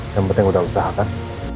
yang penting sudah usahakan